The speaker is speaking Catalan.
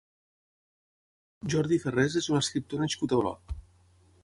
Jordi Ferrés és un escriptor nascut a Olot.